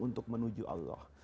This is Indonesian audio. untuk menuju allah